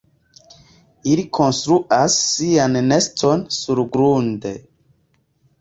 Ili konstruas sian neston surgrunde.